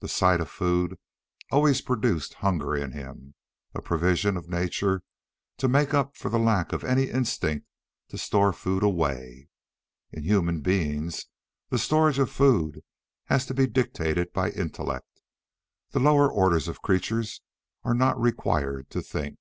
The sight of food always produced hunger in him a provision of nature to make up for the lack of any instinct to store food away. In human beings the storage of food has to be dictated by intellect. The lower orders of creatures are not required to think.